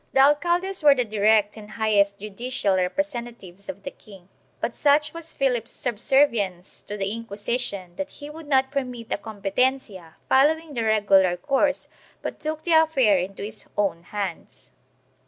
1 The alcaldes were the direct and highest judicial representa tives of the king, but such was Philip's subservience to the Inquisition that he would not permit a competencia following the regular course but took the affair into his own hands.